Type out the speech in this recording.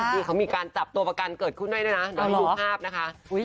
ที่เขามีการจับตัวประกันเกิดขึ้นให้ด้วยน่ะเอาเหรอดูภาพนะคะอุ้ย